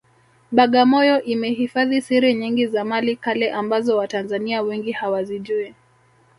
Bagamoyo imehifadhi siri nyingi za mali kale ambazo watanzania wengi hawazijui